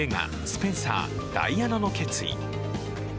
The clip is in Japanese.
「スペンサーダイアナの決意」